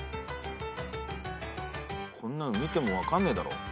こんなん見ても分かんねえだろ。